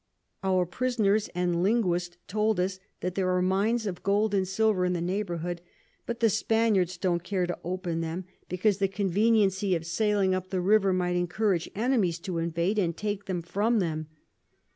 Our Prisoners and Linguist told us that there are Mines of Gold and Silver in the Neighbourhood, but the Spaniards don't care to open them, because the Conveniency of sailing up the River might encourage Enemies to invade and take them from 'em.